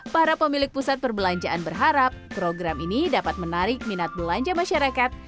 para pemilik pusat perbelanjaan berharap program ini dapat menarik minat belanja masyarakat